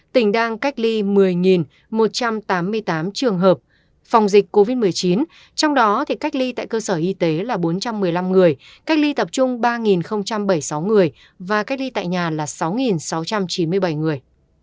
tỉnh đang cách ly một mươi một trăm tám mươi tám trường hợp phòng dịch covid một mươi chín trong đó cách ly tại cơ sở y tế là bốn trăm một mươi năm người cách ly tập trung ba bảy mươi sáu người và cách ly tại nhà là sáu sáu trăm chín mươi bảy người